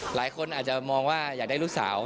หลายคนอาจจะมองว่าอยากได้ลูกสาว